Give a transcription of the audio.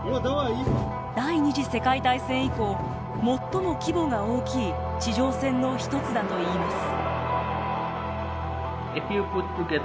第２次世界大戦以降最も規模が大きい地上戦の一つだといいます。